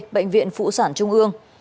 bệnh viện phụ sản trung ương